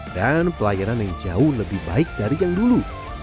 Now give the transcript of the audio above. dan pelayanan yang jauh lebih baik dari yang dulu